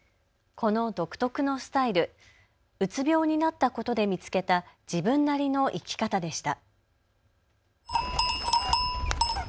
この独特のスタイル、うつ病になったことで見つけた自分なりの生き方でした。